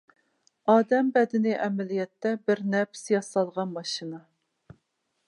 ئادەم بەدىنى ئەمەلىيەتتە بىر نەپىس ياسالغان ماشىنا.